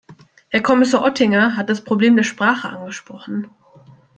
Herr Kommissar Ottinger hat das Problem der Sprache angesprochen.